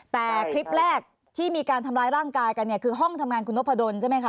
แต่คลิปแรกที่มีการทำร้ายร่างกายกันเนี่ยคือห้องทำงานคุณนพดลใช่ไหมคะ